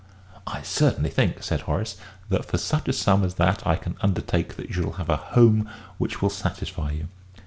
"I certainly think," said Horace, "that for such a sum as that I can undertake that you shall have a home which will satisfy you."